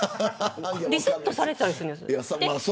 リセットされたりするんです。